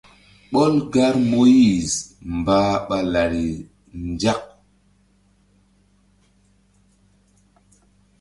Ɓɔl gar Moyiz mbah ɓa lari nzak.